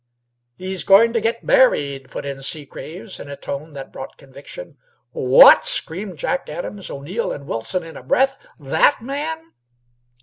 "He's going to get married," put in Seagraves, in a tone that brought conviction. "What!" screamed Jack Adams, O'Neill, and Wilson, in one breath. "That man?"